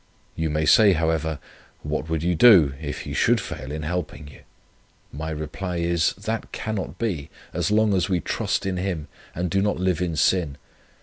You may say, however, 'What would you do, if He should fail in helping you?' My reply is, that cannot be, as long as we trust in Him and do not live in sin.